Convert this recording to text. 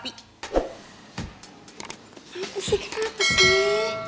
apa sih kenapa sih